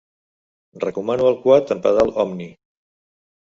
Recomano el quad amb pedal Omni.